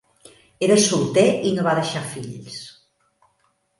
Era solter i no va deixar fills.